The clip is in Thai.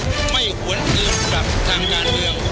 ไม่หวนเอากลับทางยานเดียว